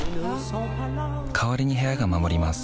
代わりに部屋が守ります